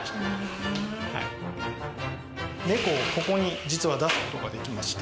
猫をここに実は出すことができまして。